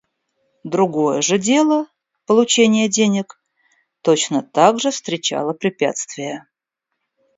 Другое же дело — получение денег — точно так же встречало препятствия.